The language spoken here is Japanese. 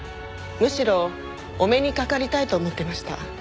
むしろお目にかかりたいと思ってました。